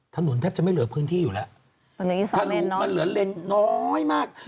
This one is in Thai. แทบจะไม่เหลือพื้นที่อยู่แล้วทะลุมันเหลือเลนน้อยมาก